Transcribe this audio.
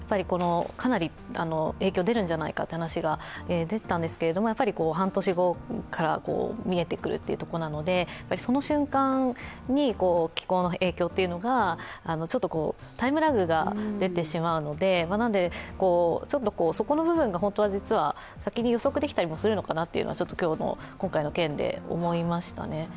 かなり影響が出るんじゃないかと出てたんですけど、半年後から見えてくるということなのでその瞬間に気候の影響というのがタイムラグが出てしまうのでそこの部分が本当は先に予測できたりするのかなとちょっと今日の今回の件で思いましたね。